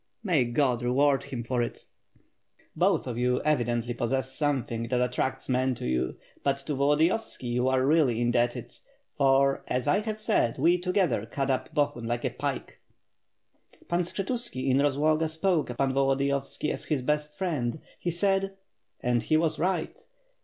"May Grod reward him for it." 661 662 WITH FIRE AND SWORD. "Both of you evidently possess something that attracts men to you; but to Volodiyovski, you are really indebted, for, as I have said, we together cut up Bohun like a pike." "Pan Skshetuski in Rozloga spoke about Pan Volodiyovski as his best friend, he said ..." "And he was right.